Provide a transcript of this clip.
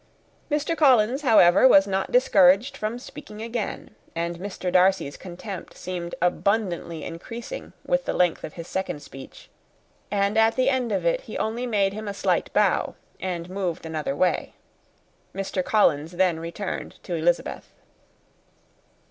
Mr. Collins, however, was not discouraged from speaking again, and Mr. Darcy's contempt seemed abundantly increasing with the length of his second speech; and at the end of it he only made him a slight bow, and moved another way: Mr. Collins then returned to Elizabeth.